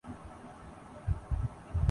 قیادت ملنے کے بعد اب تک